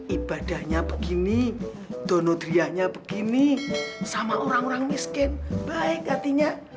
ibadahnya begini donutrianya begini sama orang orang miskin baik artinya